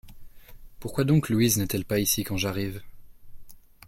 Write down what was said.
Pourquoi donc Louise n’est-elle pas ici quand j’arrive ?